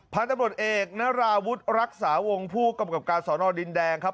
พันธุ์ตำรวจเอกนราวุฒิรักษาวงผู้กำกับการสอนอดินแดงครับ